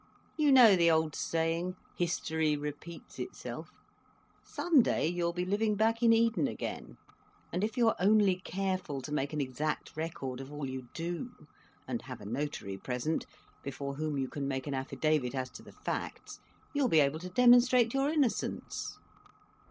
You know the old saying, 'History repeats itself.' Some day you will be living back in Eden again, and if you are only careful to make an exact record of all you do, and have a notary present, before whom you can make an affidavit as to the facts, you will be able to demonstrate your innocence."